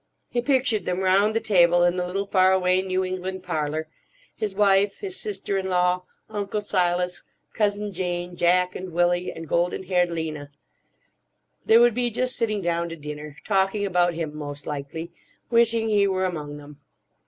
He pictured them round the table in the little far away New England parlour; his wife, his sister in law, Uncle Silas, Cousin Jane, Jack and Willy, and golden haired Lena. They would be just sitting down to dinner, talking about him, most likely; wishing he were among them.